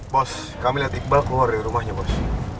bos kami lihat iqbal keluar dari rumahnya bos